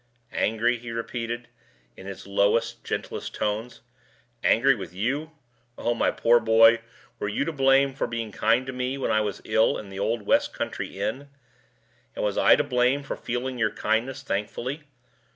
"Angry?" he repeated, in his lowest, gentlest tones. "Angry with you? Oh, my poor boy, were you to blame for being kind to me when I was ill in the old west country inn? And was I to blame for feeling your kindness thankfully?